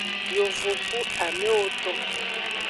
Yovogbu amewo don.